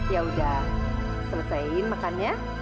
ya udah selesaiin makannya